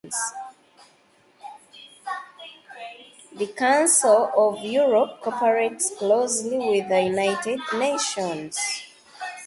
The Council of Europe co-operates closely with the United Nations.